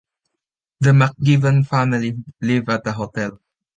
The McGibbon family lived at the hotel.